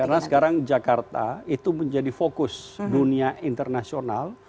karena sekarang jakarta itu menjadi fokus dunia internasional